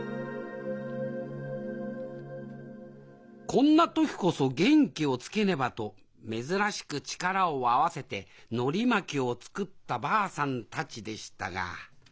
こんな時こそ元気をつけねばと珍しく力を合わせてのり巻きを作ったばあさんたちでしたが。